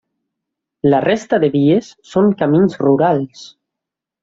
La resta de vies són camins rurals.